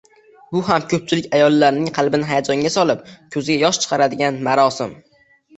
Bu ham ‘ko’pchilik ayollarning qalbini hayajonga solib, ko’ziga yosh chiqaradigan marosim.